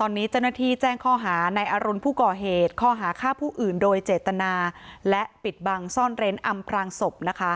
ตอนนี้เจ้าหน้าที่แจ้งข้อหาในอรุณผู้ก่อเหตุข้อหาฆ่าผู้อื่นโดยเจตนาและปิดบังซ่อนเร้นอำพรางศพนะคะ